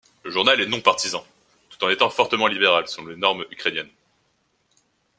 Le journal est non partisan, tout en étant fortement libéral selon les normes ukrainiennes.